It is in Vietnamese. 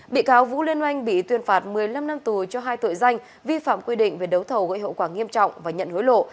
bị cáo vũ liên oanh bị tuyên phạt một mươi năm năm tù cho hai tội danh vi phạm quy định về đấu thầu gây hậu quả nghiêm trọng và nhận hối lộ